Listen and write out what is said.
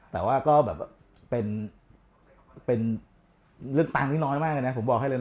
แต่ว่าก็เป็นเรื่องตัคะนิ้นน้อยมาก